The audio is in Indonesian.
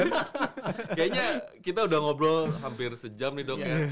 kayaknya kita udah ngobrol hampir sejam nih dok ya